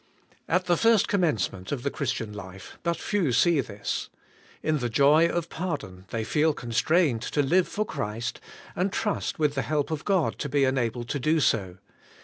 At the first commencement of the Christian life, but few see this. In the joy of pardon, they feel con strained to live for Christ, and trust with the help of God to be enabled to do so.